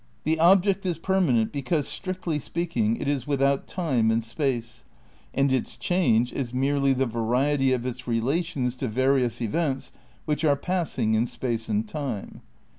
* "The object is permanent because (strictly speaking) it is with out time and space; and its change is merely the variety of its relations to various events which are passing in space and time."